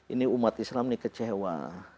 ini umat islam ini kecewa